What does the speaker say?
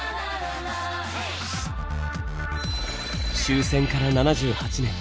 終戦から７８年。